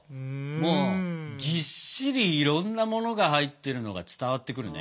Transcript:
もうぎっしりいろんなものが入ってるのが伝わってくるね。